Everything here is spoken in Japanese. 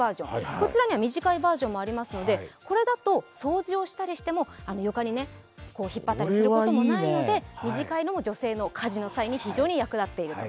こちらには短いバージョンもありますのでこれだと掃除をしたりしても床に引っ張ったりすることもないので短いのも女性の家事の際に非常に役立っていると。